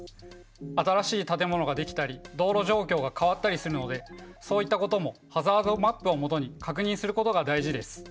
新しい建物が出来たり道路状況が変わったりするのでそういったこともハザードマップを基に確認することが大事です。